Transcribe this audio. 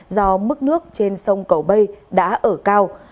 do mức nước trên sông cầu bây đã ở cao